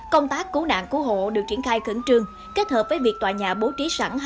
công tác cứu nạn cứu hộ được triển khai khẩn trương kết hợp với việc tòa nhà bố trí sẵn